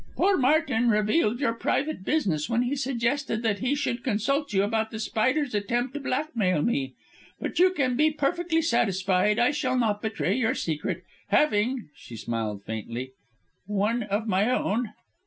Poor Martin revealed your private business when he suggested that he should consult you about The Spider's attempt to blackmail me. But you can be perfectly satisfied. I shall not betray your secret, having," she smiled faintly, "one of my own."